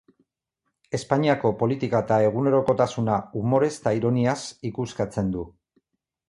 Espainiako politika eta egunerokotasuna umorez eta ironiaz ikuskatzen du.